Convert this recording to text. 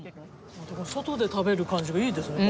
外で食べる感じがいいですね。